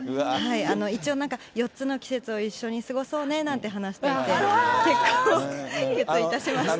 一応なんか、４つの季節を一緒に過ごそうねなんて話していて、結婚を決意いたしました。